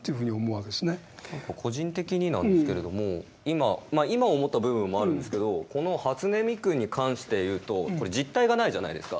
個人的になんですけれども今思った部分もあるんですけどこの初音ミクに関して言うとこれ実体がないじゃないですか。